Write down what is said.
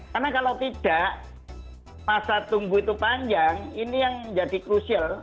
karena kalau tidak masa tunggu itu panjang ini yang jadi krusial